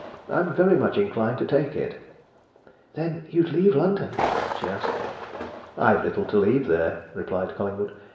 I'm very much inclined to take it." "Then you'd leave London?" she asked. "I've little to leave there," replied Collingwood.